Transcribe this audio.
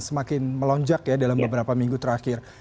semakin melonjak ya dalam beberapa minggu terakhir